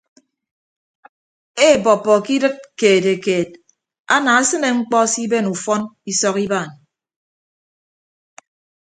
Eebọppọ ke idịt keetekeet anaasịne ñkpọ siben ufọn isọk ibaan.